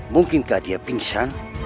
mungkinkah dia pingsan